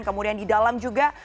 kemudian di dalam juga